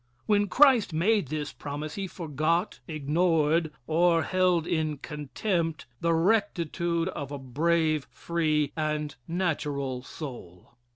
When Christ made this promise he forgot, ignored, or held in contempt the rectitude of a brave, free and natural soul.